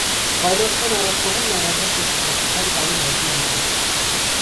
Թվայնացման առաջմղումն անհրաժեշտ է տնտեսության կայուն աճի համար։